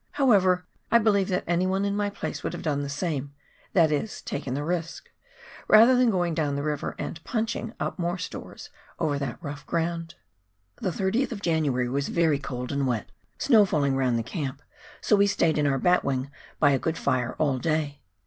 However, I believe that anyone in my place would have done the same — that is, taken the risk — rather than going down the river and "punching" up more stores over that rough ground. The 30th of January was very cold and wet, snow falKng round the camp, so we stayed in our batwing by a good fire all day.